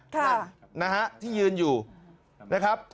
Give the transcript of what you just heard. ค่ะนะฮะที่ยืนอยู่นะครับ